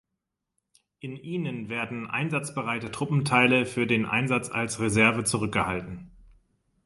In ihnen werden einsatzbereite Truppenteile für den Einsatz als Reserve zurückgehalten.